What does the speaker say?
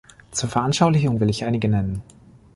Zur Veranschaulichung will ich einige nennen.